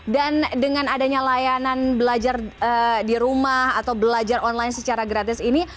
dan dengan adanya layanan belajar di rumah atau belajar online secara gratis ini